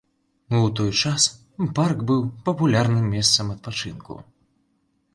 У той час парк быў папулярным месцам адпачынку.